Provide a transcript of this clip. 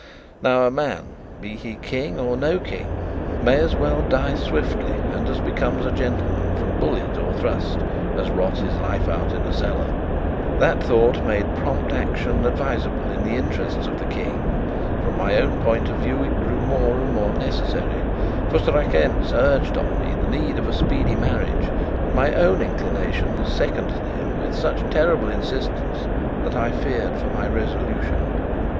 Now a man be he king or no king may as well die swiftly and as becomes a gentleman, from bullet or thrust, as rot his life out in a cellar! That thought made prompt action advisable in the interests of the King; from my own point of view, it grew more and more necessary. For Strakencz urged on me the need of a speedy marriage, and my own inclinations seconded him with such terrible insistence that I feared for my resolution.